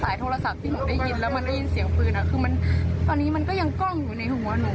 โทรศัพท์ที่หนูได้ยินแล้วมันได้ยินเสียงปืนอ่ะคือมันตอนนี้มันก็ยังกล้องอยู่ในหัวหนู